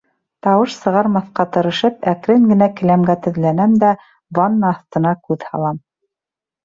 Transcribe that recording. Тауыш сығармаҫҡа тырышып, әкрен генә келәмгә теҙләнәм дә, ванна аҫтына күҙ һалам.